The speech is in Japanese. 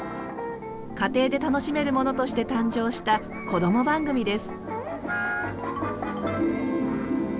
家庭で楽しめるものとして誕生したこども番組です。